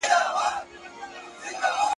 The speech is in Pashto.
روژه چي څوک نيسي جانانه پېشلمی غواړي_